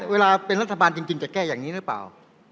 เวลาเป็นรัฐบาลจริงจะแก้อย่างนี้หรือเปล่า